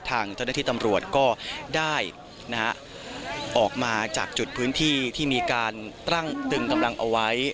ทางเจ้าหน้าที่ตำรวจก็ได้ออกมาจากจุดพื้นที่ที่มีการตั้งตึงกำลังเอาไว้